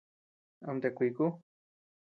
Amtea kuiku.